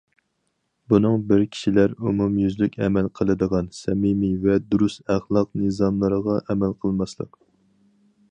بۇنىڭ بىرى كىشىلەر ئومۇميۈزلۈك ئەمەل قىلىدىغان، سەمىمىي ۋە دۇرۇس ئەخلاق نىزاملىرىغا ئەمەل قىلماسلىق.